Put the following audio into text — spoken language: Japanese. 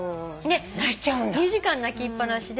２時間泣きっぱなしで。